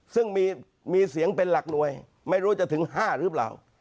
ซึ่งมีเสียงเป็นหลักหน่วยไม่รู้จะถึง๕หรือเปล่า